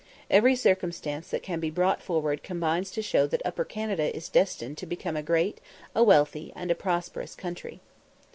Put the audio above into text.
Every circumstance that can be brought forward combines to show that Upper Canada is destined to become a great, a wealthy, and a prosperous country.